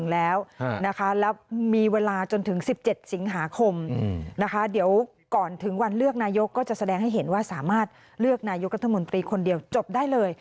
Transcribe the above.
แล้วมีเวลาจนถึง๑๗สิงหาคมนะคะเดี๋ยวก่อนถึงวันเลือกนายกก็จะแสดงให้เห็นว่าสามารถเลือกนายกรัฐมนตรีคนเดียวจบได้เลย